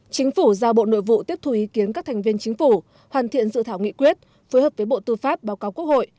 chính phủ giao bộ nội vụ tiếp thù ý kiến các thành viên chính phủ hoàn thiện dự thảo nghị quyết phối hợp với bộ tư pháp báo cáo quốc hội